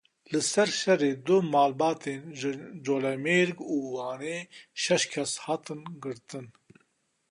Li ser şerê du malbatên ji Colemêrg û Wanê şeş kes hatin girtin.